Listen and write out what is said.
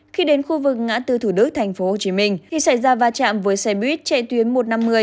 khi đến khu vực ngã tư thủ đức tp hcm thì xảy ra va chạm với xe buýt chạy tuyến một trăm năm mươi